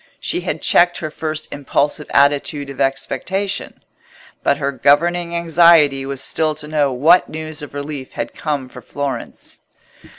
She had checked her first impulsive attitude of expectation; but her governing anxiety was still to know what news of relief had come for Florence.